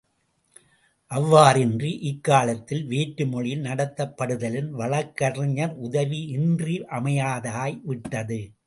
அவ்வாறின்றி இக்காலத்தில் வேற்று மொழியில் நடத்தப் படுதலின், வழக்கறிஞர் உதவி இன்றியமையாததாய் விட்டது.